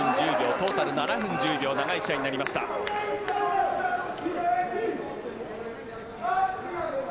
トータル７分１０秒長い試合になりました。